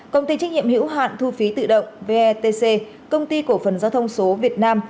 công ty trách nhiệm hữu hạn thu phí tự động vetc công ty cổ phần giao thông số việt nam